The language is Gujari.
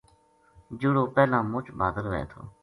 جہڑو پہلاں مُچ بہادر وھے تھو